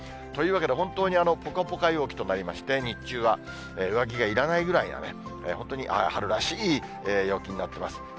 というわけで、本当にぽかぽか陽気となりまして、日中は上着がいらないぐらいな、本当に春らしい陽気になってます。